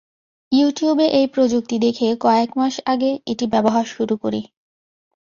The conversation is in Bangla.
ইউটিউবে এই প্রযুক্তি দেখে কয়েক মাস আগে এটি ব্যবহার শুরু করি।